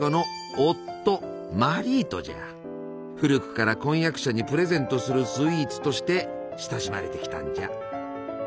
古くから婚約者にプレゼントするスイーツとして親しまれてきたんじゃ。